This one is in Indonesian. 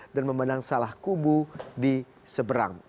dan memenang salah kubu di seberang